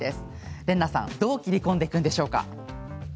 レナさんはどう切り込んでいくのでしょう。